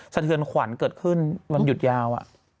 สะเทือนขวัญเกิดขึ้นวันหยุดยาว